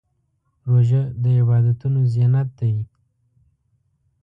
روژه د عبادتونو زینت دی.